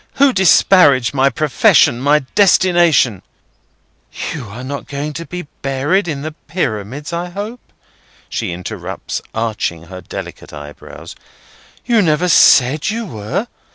Who disparaged my profession, my destination—" "You are not going to be buried in the Pyramids, I hope?" she interrupts, arching her delicate eyebrows. "You never said you were.